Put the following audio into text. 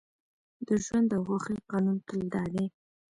د ژوند او خوښۍ قانون تل دا دی